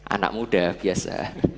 anak muda biasa